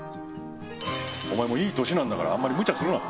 お前もいい年なんだからあんまりむちゃするな。